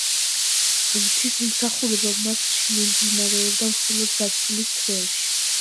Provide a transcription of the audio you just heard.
ღვთისმსხურება მასში მიმდინარეობდა მხოლოდ ზაფხულის თვეებში.